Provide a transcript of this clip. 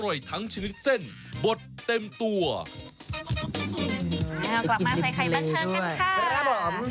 เอากลับมาใส่ไข่บันเทิงกันค่ะครับผม